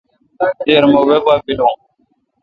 دیر مہ وی پا پیلو۔